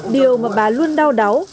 điều mà bà luôn đau đáu